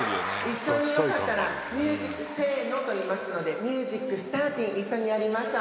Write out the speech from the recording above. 「一緒によかったら“ミュージックせーの”と言いますのでミュージックスターティン一緒にやりましょう」